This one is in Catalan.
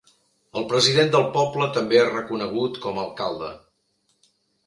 El president del poble també és reconegut com a alcalde.